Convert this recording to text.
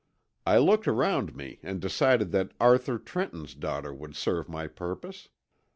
"I looked around me and decided that Arthur Trenton's daughter would serve my purpose.